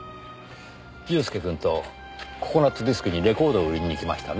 祐介くんとココナッツディスクにレコードを売りに行きましたね。